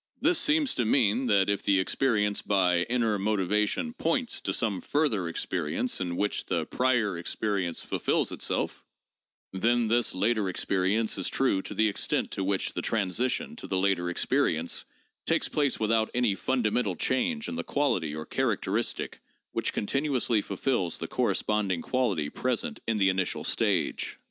This seems to mean that if the experience by inner motivation 'points' to some further experience in which the prior experience fulfills itself, then this later experience is true to the extent to which the transition to the later experience takes place without any fundamental change in the quality or characteristic which continuously fulfills the corresponding quality present in the initial stage.